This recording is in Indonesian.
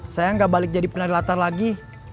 saya nggak balik jadi penari latar lagi